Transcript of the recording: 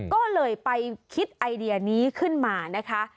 ก็เลยไปคิดไอเดียนี้ขึ้นมานะคะ